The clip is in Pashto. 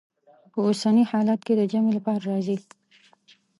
په اوسني حالت کې د جمع لپاره راځي.